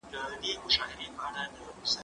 زه اجازه لرم چي سندري واورم!.